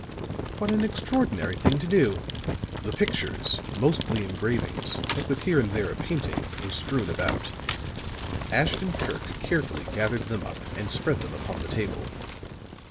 What an extraordinary thing to do!" The pictures, mostly engravings, but with here and there a painting, were strewn about. Ashton Kirk carefully gathered them up and spread them upon the table.